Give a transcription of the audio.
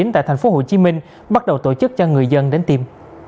tại thành phố hồ chí minh bắt đầu tổ chức cho người dân đến tiêm